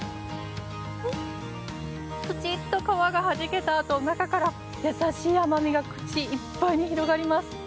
プチッと皮がはじけたあと中から優しい甘味が口いっぱいに広がります。